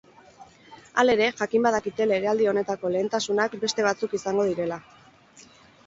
Halere, jakin badakite legealdi honetako lehentasunak beste batzuk izango direla.